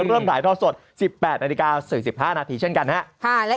เริ่มถ่ายทอดสด๑๘นาฬิกา๔๕นาทีเช่นกันครับ